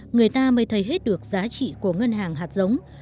người ta mới thấy hết được giá trị của ngân hàng hạt giống